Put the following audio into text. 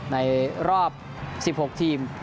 ในรอบ๑๖ทีม